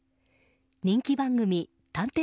人気番組「探偵！